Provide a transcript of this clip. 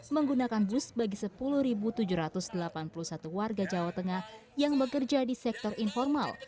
menggunakan bus bagi sepuluh tujuh ratus delapan puluh satu warga jawa tengah yang bekerja di sektor informal